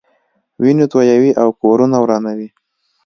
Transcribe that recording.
وینې تویوي او کورونه ورانوي.